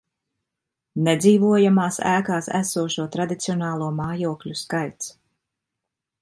Nedzīvojamās ēkās esošo tradicionālo mājokļu skaits